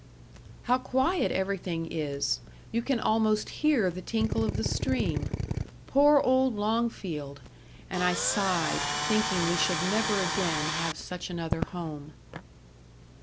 "How quiet everything is. You can almost hear the tinkle of the stream. Poor old Longfield!" And I sighed, thinking we should never again have such another home.